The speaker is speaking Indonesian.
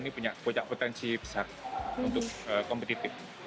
jadi ini adalah potensi besar untuk kompetitif